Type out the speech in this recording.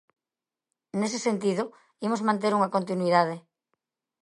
Nese sentido, imos manter unha continuidade.